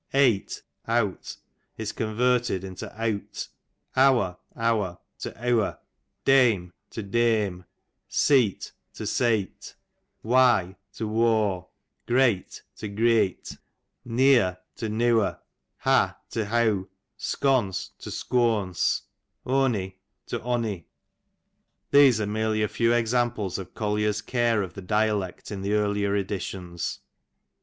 Ate (out) is converted into eawt^ awer (our) to eawer, dame to deme, seet to saight, why to whaw, great to greyt^ neer to newer^ ha to heaw, sconce to scoance, oney to onny. These are merely a few examples of Collier's care of the dialect in the earlier editions.